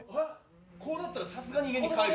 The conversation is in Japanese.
こうなったらさすがに家に帰るよ。